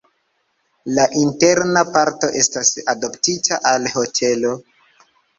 La interna parto estas adoptita al hotelo.